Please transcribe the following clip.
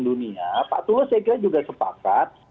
dunia pak tulus saya kira juga sepakat